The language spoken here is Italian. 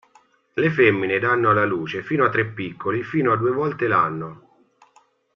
Le femmine danno alla luce fino a tre piccoli fino a due volte l'anno.